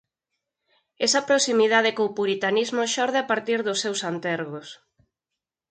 Esa proximidade co puritanismo xorde a partir dos seus antergos.